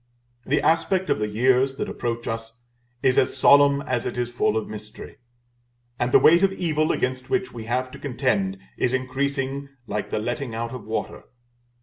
The aspect of the years that approach us is as solemn as it is full of mystery; and the weight of evil against which we have to contend, is increasing like the letting out of water.